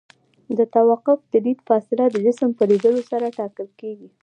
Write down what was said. د توقف د لید فاصله د جسم په لیدلو سره ټاکل کیږي